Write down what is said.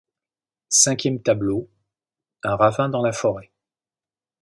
Cinquième tableau – Un ravin dans la forêt.